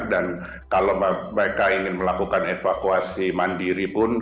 dan kalau mereka ingin melakukan evakuasi mandiri pun